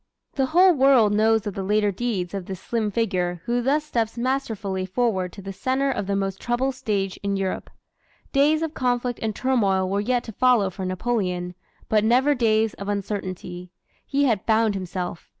The whole world knows of the later deeds of this slim figure who thus steps masterfully forward to the center of the most troubled stage in Europe. Days of conflict and turmoil were yet to follow for Napoleon, but never days of uncertainty. He had found himself.